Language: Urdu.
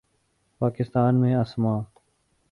پاکستان میں اسما